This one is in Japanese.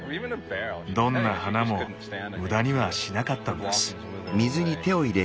どんな花も無駄にはしなかったんです。